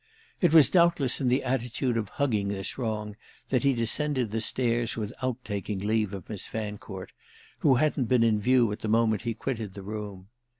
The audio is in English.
It was doubtless in the attitude of hugging this wrong that he descended the stairs without taking leave of Miss Fancourt, who hadn't been in view at the moment he quitted the room.